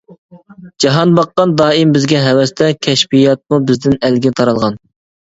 جاھان باققان دائىم بىزگە ھەۋەستە، كەشپىياتمۇ بىزدىن ئەلگە تارالغان.